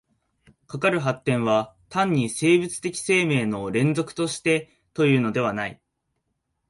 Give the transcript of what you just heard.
かかる発展は単に生物的生命の連続としてというのではない。